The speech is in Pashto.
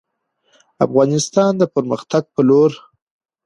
افغانستان د پرمختګ په لور